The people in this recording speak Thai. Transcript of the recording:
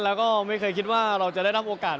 แล้วก็ไม่เคยคิดว่าเราจะได้รับโอกาส